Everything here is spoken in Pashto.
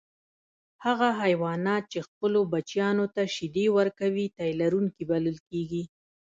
هغه حیوانات چې خپلو بچیانو ته شیدې ورکوي تی لرونکي بلل کیږي